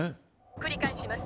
「繰り返します。